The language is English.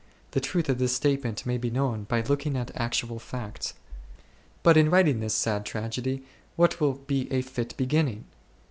The truth of this statement may be known by looking at actual facts. But in writing this sad tragedy what will be a fit beginning